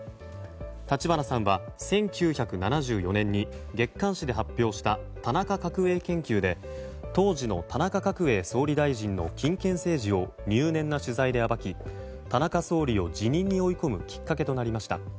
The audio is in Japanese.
立花さんは１９７４年に月刊誌で発表した「田中角栄研究」で当時の田中角栄総理大臣の金権政治を入念な取材で暴き田中総理を辞任に追い込むきっかけとなりました。